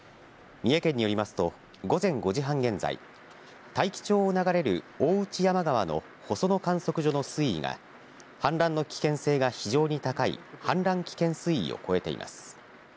三重県によりますと、午前５時半現在、大紀町を流れる大内山川の細野観測所の水位が、氾濫の危険性が非常に高い氾濫危険水位を超えています。